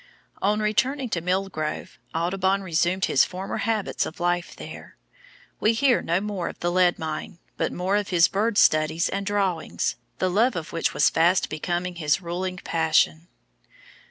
On returning to Mill Grove, Audubon resumed his former habits of life there. We hear no more of the lead mine, but more of his bird studies and drawings, the love of which was fast becoming his ruling passion.